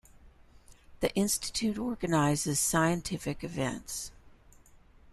The institute organizes scientific events.